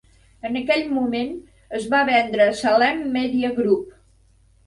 En aquell moment, es va vendre a Salem Media Group.